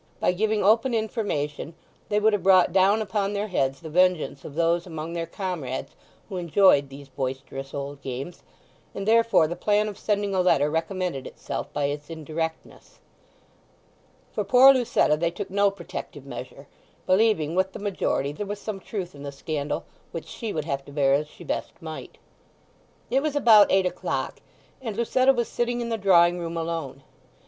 By giving open information they would have brought down upon their heads the vengeance of those among their comrades who enjoyed these boisterous old games; and therefore the plan of sending a letter recommended itself by its indirectness. For poor Lucetta they took no protective measure, believing with the majority there was some truth in the scandal, which she would have to bear as she best might. It was about eight o'clock, and Lucetta was sitting in the drawing room alone.